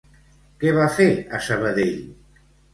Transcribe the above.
Què va fer a Sabadell?